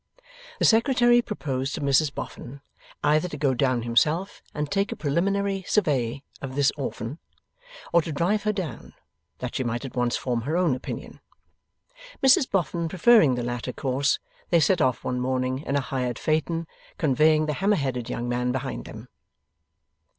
The Secretary proposed to Mrs Boffin, either to go down himself and take a preliminary survey of this orphan, or to drive her down, that she might at once form her own opinion. Mrs Boffin preferring the latter course, they set off one morning in a hired phaeton, conveying the hammer headed young man behind them.